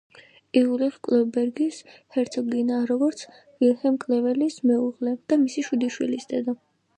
იულიხ-კლევ-ბერგის ჰერცოგინია როგორც ვილჰელმ კლეველის მეუღლე და მისი შვიდი შვილის დედა.